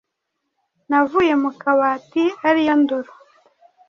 Navuye Mu kabati ariyo ndoro